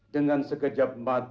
dengan sekejap mata